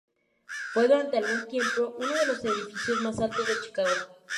Fue durante algún tiempo uno de los edificios más altos de Chicago.